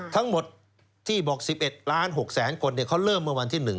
ทั้งหมดที่บอก๑๑ล้าน๖แสนคนเขาเริ่มเมื่อวันที่๑